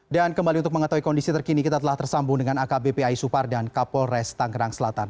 dan kembali untuk mengetahui kondisi terkini kita telah tersambung dengan akbp ayi supardan kapolres tanggerang selatan